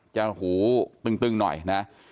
หูตึงหน่อยนะ